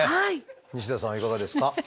西田さんはいかがですか？